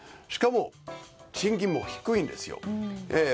しかも賃金も低いんですよ。